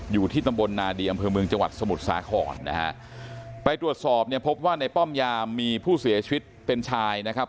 อยู่ที่ตำบลนาดีอำเภอเมืองจังหวัดสมุทรสาครนะฮะไปตรวจสอบเนี่ยพบว่าในป้อมยามมีผู้เสียชีวิตเป็นชายนะครับ